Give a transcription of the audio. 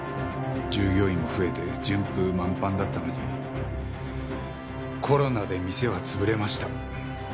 従業員も増えて順風満帆だったのにコロナで店は潰れました。